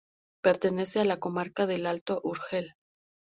Pertenece a la comarca del Alto Urgel.